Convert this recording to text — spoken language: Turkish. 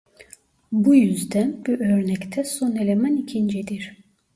Bu yüzden bu örnekte son eleman ikincidir.